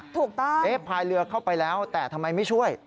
ถูกต้องเอ๊ะพายเรือเข้าไปแล้วแต่ทำไมไม่ช่วย